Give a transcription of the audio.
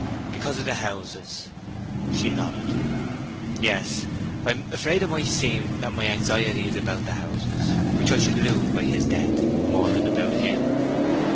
"Because of the houses?" She nodded. "Yes. I am afraid it may seem that my anxiety is about those houses, which I should lose by his death, more than about him.